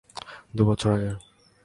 দুই বছর আগে।